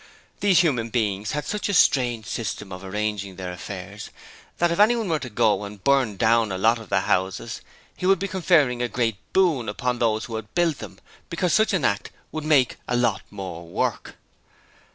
These human beings had such a strange system of arranging their affairs that if anyone were to go and burn down a lot of the houses he would be conferring a great boon upon those who had built them, because such an act would 'Make a lot more work!'